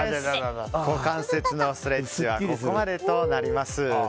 股関節のストレッチはここまでとなります。